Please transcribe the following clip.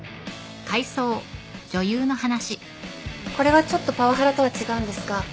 これはちょっとパワハラとは違うんですが